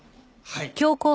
はい。